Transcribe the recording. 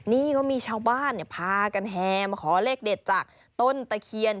นี่ก็มีชาวบ้านพากันแห่มาขอเลขเด็ดจากต้นตะเคียน